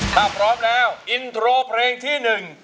ถ้าพร้อมแล้วอินโทรเพลงที่๑